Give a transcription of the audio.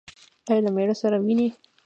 ایا له میړه سره وینئ؟